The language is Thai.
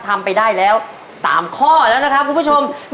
ทำไปได้แล้ว๓ข้อแล้วนะครับคุณผู้ชม